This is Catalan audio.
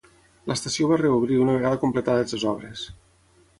L'estació va reobrir una vegada completades les obres.